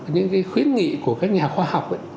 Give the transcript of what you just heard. những cái khuyến nghị của các nhà khoa học